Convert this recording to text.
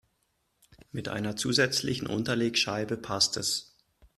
Mit einer zusätzlichen Unterlegscheibe passt es.